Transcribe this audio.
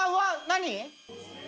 何？